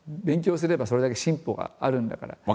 勉強すればそれだけ進歩があるんだから。